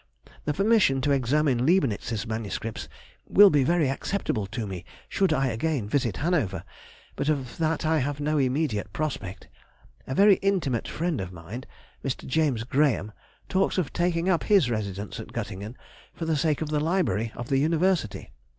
The permission to examine Leibnitz's MSS. will be very acceptable to me should I again visit Hanover, but of that I have no immediate prospect. A very intimate friend of mine, Mr. James Grahame, talks of taking up his residence at Göttingen for the sake of the library of the University.